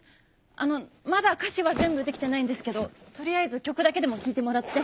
あのまだ歌詞は全部できてないんですけど取りあえず曲だけでも聴いてもらって。